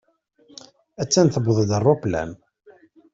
A-tt-an tewweḍ-d ṛṛuplan.